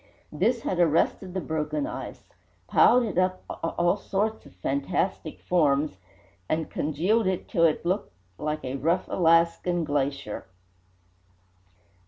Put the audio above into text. This had arrested the broken ice, piled it up in all sorts of fantastic forms, and congealed it till it looked like a rough Alaskan glacier.